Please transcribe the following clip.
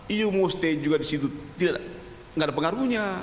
iyo mau stay juga di situ tidak ada pengaruhnya